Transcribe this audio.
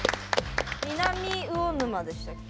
南魚沼でしたっけ？